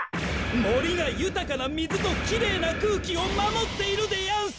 もりがゆたかなみずときれいなくうきをまもっているでやんす！